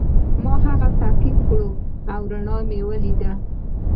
ما هغه تعقیب کړ او رڼا مې ولیده.